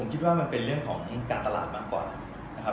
คิดว่ามันเป็นเรื่องของการตลาดมากกว่านะครับ